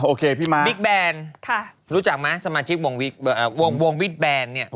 อ่าโอเคพี่ม้าบิ๊กแบรนด์ค่ะรู้จักไหมสมาชิกวงวิทแบรนด์เนี่ย